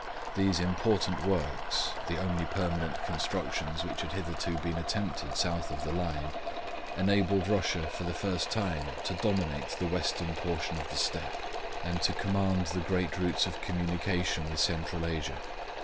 These important works the only permanent constructions which had hitherto been attempted south of the line enabled Russia, for the first time, to dominate the western portion of the Steppe and to command the great routes of communication with Central Asia.